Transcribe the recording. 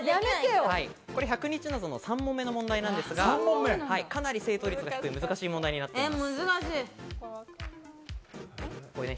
これは１００日謎の３問目の問題なんですが、かなり正答率が低い、難しい問題になっています。